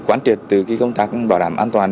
quản triệt từ công tác bảo đảm an toàn